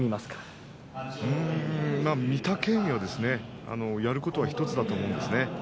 御嶽海はやることは１つだと思うんですね。